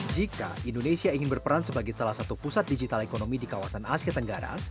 jika indonesia ingin berperan sebagai salah satu pusat digital ekonomi di kawasan asia tenggara